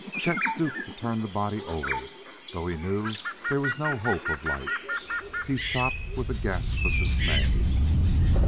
Chet stooped to turn the body over, though he knew there was no hope of life. He stopped with a gasp of dismay.